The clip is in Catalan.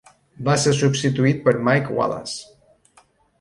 Va ser substituït per Mike Wallace.